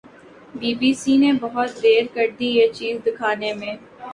Be B C نے بہت دیر کردی یہ چیز دکھانے میں۔